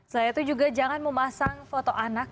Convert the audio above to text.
selain itu juga jangan memasang foto anak